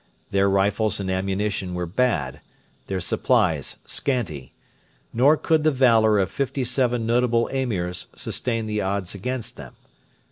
Their rifles and ammunition were bad; their supplies scanty. Nor could the valour of fifty seven notable Emirs sustain the odds against them.